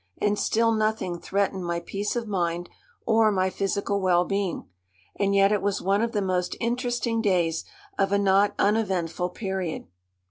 And still nothing threatened my peace of mind or my physical well being. And yet it was one of the most interesting days of a not uneventful period.